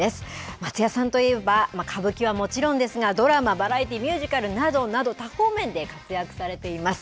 松也さんといえば歌舞伎はもちろんですがドラマ、バラエティーミュージカルなどなど多方面で活躍されています。